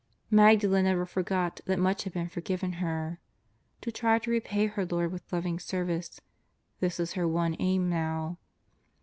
Magdalen never forgot that much had been forgiven her. To try to repay her Lord with loving service — this was her one aim now.